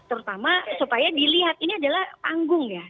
terutama supaya dilihat ini adalah panggung ya